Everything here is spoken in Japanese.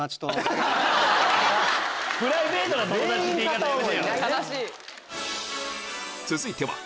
プライベートの友達って言い方やめてよ！